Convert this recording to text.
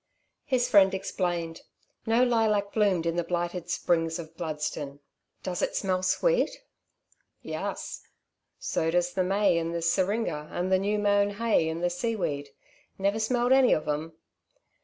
His friend explained. No lilac bloomed in the blighted Springs of Bludston. "Does it smell sweet?" "Yuss. So does the may and the syringa and the new mown hay and the seaweed. Never smelt any of 'em?"